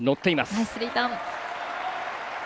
ナイスリターン！